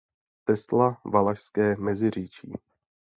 Tesla Valašské Meziříčí.